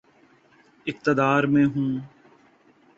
اقتدار میں ہوں۔